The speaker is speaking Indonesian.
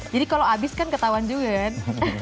jadi kalau habis kan ketahuan juga kan